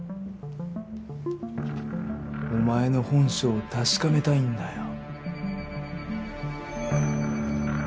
お前の本性を確かめたいんだよ。